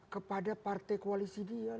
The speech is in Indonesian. kepada partai koalisi dia